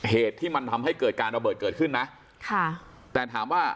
เหตุที่มันทำให้เกิดการระเบิดเกิดขึ้นนะค่ะแต่ถามว่า